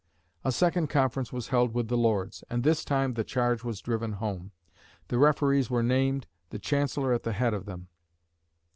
A second conference was held with the Lords, and this time the charge was driven home. The referees were named, the Chancellor at the head of them.